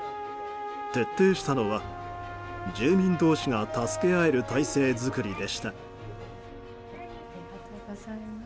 徹底したのは、住民同士が助け合える体制づくりでした。